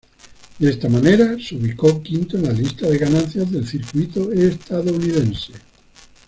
De esta manera, se ubicó quinto en la lista de ganancias del circuito estadounidense.